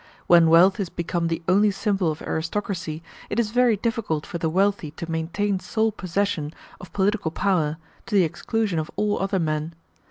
When wealth is become the only symbol of aristocracy, it is very difficult for the wealthy to maintain sole possession of political power, to the exclusion of all other men.